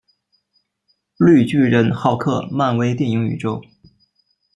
绿巨人浩克漫威电影宇宙